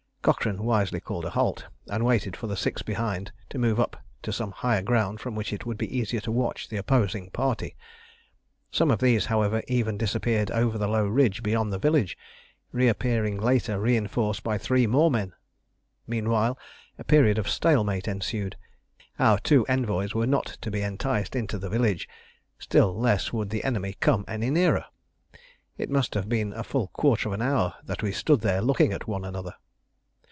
Cochrane wisely called a halt, and waited for the six behind to move up to some higher ground from which it would be easier to watch the opposing party. Some of these, however, even disappeared over the low ridge beyond the village, reappearing later reinforced by three more men. Meanwhile a period of stalemate ensued: our two envoys were not to be enticed into the village, still less would the enemy come any nearer. It must have been a full quarter of an hour that we stood there looking at one another.